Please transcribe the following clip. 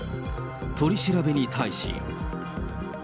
取調べに対し。